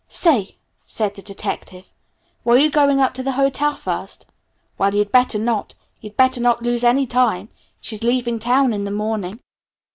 "Say," said the detective, "were you going up to the hotel first? Well you'd better not. You'd better not lose any time. She's leaving town in the morning."